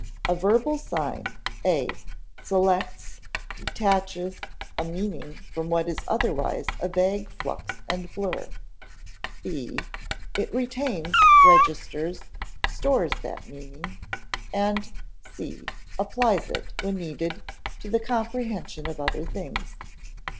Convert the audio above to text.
A verbal sign (a) selects, detaches, a meaning from what is otherwise a vague flux and blur (see p. 121); (b) it retains, registers, stores that meaning; and (c) applies it, when needed, to the comprehension of other things.